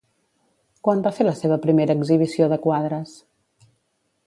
Quan va fer la seva primera exhibició de quadres?